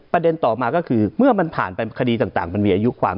ต่อมาก็คือเมื่อมันผ่านไปคดีต่างมันมีอายุความ